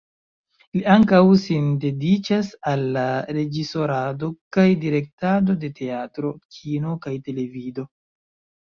Li ankaŭ sin dediĉas al la reĝisorado kaj direktado de teatro, kino kaj televido.